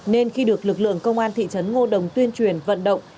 nên khi được lực lượng công an thị trấn ngô đồng tuyên truyền vận động